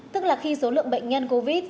tức là khi số lượng bệnh nhân covid một mươi chín